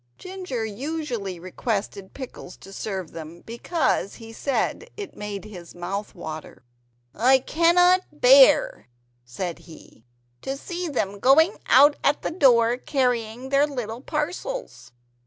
Ginger usually requested Pickles to serve them, because he said it made his mouth water. "I cannot bear," said he, "to see them going out at the door carrying their little parcels."